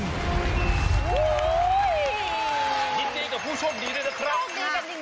ดีกับผู้โชคดีด้วยนะครับ